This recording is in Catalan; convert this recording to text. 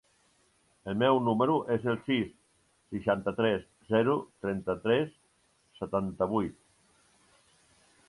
El meu número es el sis, seixanta-tres, zero, trenta-tres, setanta-vuit.